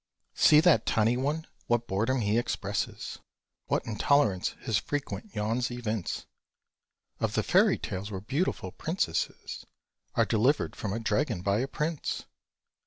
See that tiny one, what boredom he expresses! What intolerance his frequent yawns evince Of the fairy tales where beautiful princesses Are delivered from a dragon by a prince!